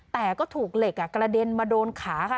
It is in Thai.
แต่ก็ถูกเหล็กกระเด็นมาโดนขาค่ะ